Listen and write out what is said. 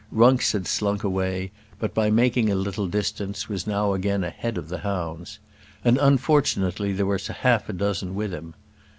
Runks had slunk away, but by making a little distance was now again ahead of the hounds. And unfortunately there was half a dozen with him.